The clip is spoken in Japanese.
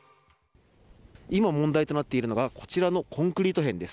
今、問題となっているのがこちらのコンクリート片です。